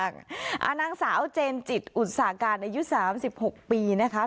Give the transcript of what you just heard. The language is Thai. นางสาวเจนจิตอุตสาการอายุ๓๖ปีนะคะ